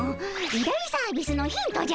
大サービスのヒントじゃ。